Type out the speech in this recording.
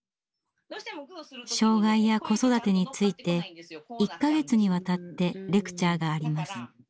障害や子育てについて１か月にわたってレクチャーがあります。